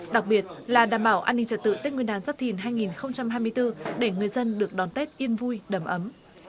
đặc biệt là đảm bảo an ninh trật tự tết nguyên đán giáp thìn hai nghìn hai mươi bốn để người dân được đón tết yên vui đầm ấm